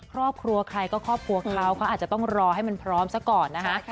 ครอบครัวใครก็ครอบครัวเขาเขาอาจจะต้องรอให้มันพร้อมซะก่อนนะคะ